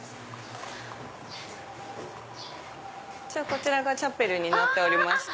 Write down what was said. こちらがチャペルになっておりまして。